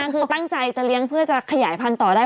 คือตั้งใจจะเลี้ยงเพื่อจะขยายพันธุ์ต่อได้